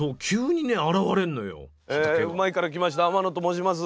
「うまいッ！」から来ました天野と申します。